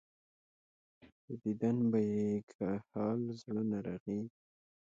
پۀ ديدن به ئې ګهائل زړونه رغيږي